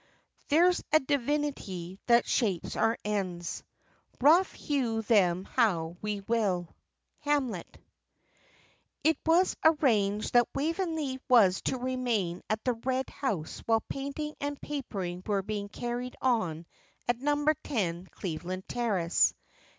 _ "There's a divinity that shapes our ends, Rough hew them how we will." Hamlet. It was arranged that Waveney was to remain at the Red House while painting and papering were being carried on at Number Ten, Cleveland Terrace.